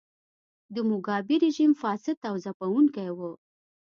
د موګابي رژیم فاسد او ځپونکی و.